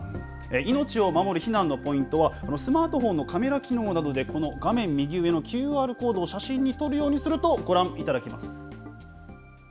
命を守る避難のポイントはスマートフォンのカメラ機能などでこの画面右上のＱＲコードを写真に撮るようにするとご覧いただけます。